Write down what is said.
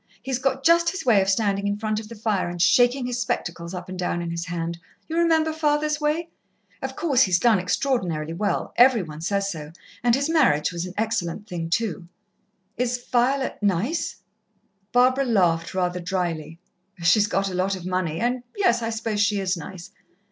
He's got just his way of standing in front of the fire and shaking his spectacles up and down in his hand you remember father's way? Of course, he's done extraordinarily well every one says so and his marriage was an excellent thing, too." "Is Violet nice?" Barbara laughed rather drily. "She's got a lot of money, and yes, I suppose she is nice.